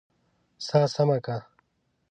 سا سمه که!